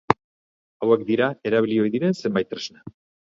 Hauek dira erabili ohi diren zenbait tresna.